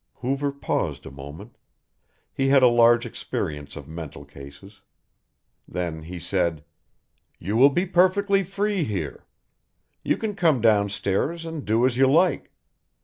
Hoover paused a moment. He had a large experience of mental cases. Then he said: "You will be perfectly free here. You can come downstairs and do as you like.